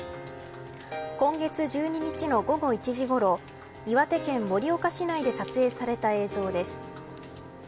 今月１２日の午後１時ごろ岩手県盛岡市内で撮影された映像です。